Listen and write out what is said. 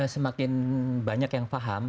semakin banyak yang paham